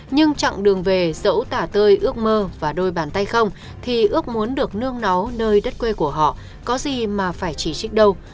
nhưng chặng đường về dẫu tả tơi ước mơ và đôi bàn tay không thì ước muốn được nương nấu nơi đất quê của họ có gì mà phải chỉ trích đâu